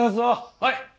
はい！